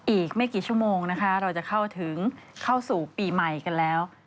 อีกไม่กี่ชั่วโมงนะคะเราจะเข้าถึงเข้าสู่ปีใหม่กันแล้ว